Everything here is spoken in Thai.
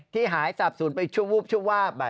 ที่หายตรับสูญไปชวบชุบวาบ